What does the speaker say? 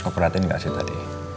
kau perhatiin gak sih tadi